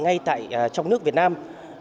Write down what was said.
ngay tại trong nước việt nam